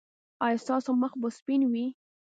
ایا ستاسو مخ به سپین وي؟